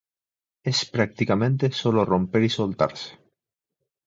Es prácticamente sólo romper y soltarse.